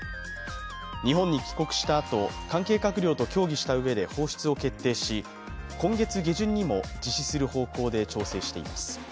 日本に帰国したあと関係閣僚と協議したうえで放出を決定し、今月下旬にも実施する方向で調整しています。